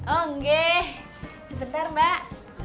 onggeh sebentar mbak